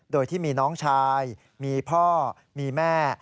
โดยที่มีน้องชายมีพ่อมีแม่